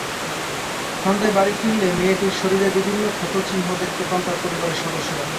সন্ধ্যায় বাড়ি ফিরলে মেয়েটির শরীরে বিভিন্ন ক্ষতচিহ্ন দেখতে পান তার পরিবারের সদস্যরা।